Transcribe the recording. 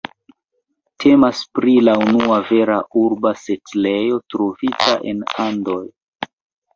Temas pri la unua vera urba setlejo trovita en Andoj.